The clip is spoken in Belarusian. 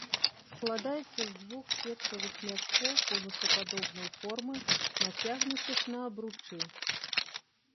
Складаецца з двух сеткавых мяшкоў конусападобнай формы, нацягнутых на абручы.